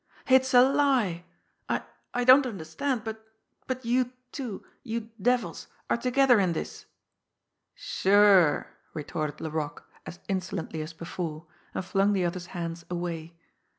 "It's a lie! I I don't understand, but but you two, you devils, are together in this!" "Sure!" retorted Laroque, as insolently as before and flung the other's hands away.